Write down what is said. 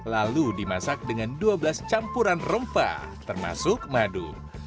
lalu dimasak dengan dua belas campuran rempah termasuk madu